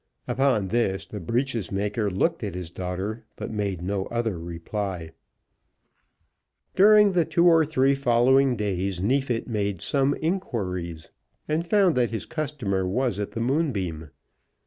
Upon this the breeches maker looked at his daughter, but made no other reply. During the two or three following days Neefit made some inquiries, and found that his customer was at the Moonbeam.